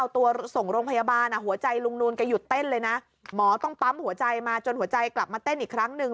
ต้องปั๊มหัวใจมาจนหัวใจกลับมาเต้นอีกครั้งนึง